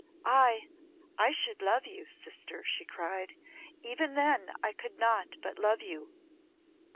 "Ay, I should love you, sister!" she cried. "Even then I could not but love you.